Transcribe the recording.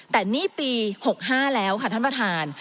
แต่นี่ปี๖๕แล้วค่ะท่านประธาน